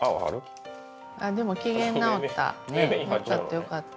でも機嫌直った。